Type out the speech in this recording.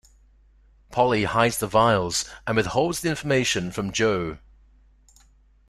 Polly hides the vials and withholds the information from Joe.